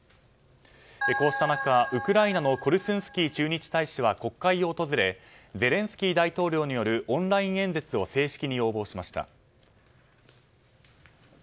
こうした中、ウクライナのコルスンスキー駐日大使は国会を訪れゼレンスキー大統領によるオンライン演説を正式に要望しました。